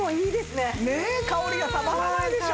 ねえ香りがたまらないでしょ？